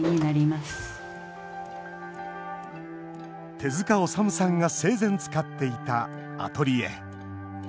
手塚治虫さんが生前使っていたアトリエ。